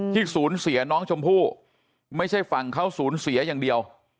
ศูนย์เสียน้องชมพู่ไม่ใช่ฝั่งเขาสูญเสียอย่างเดียว